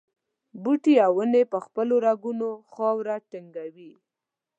بوټي او ونې په خپلو رګونو خاوره ټینګوي.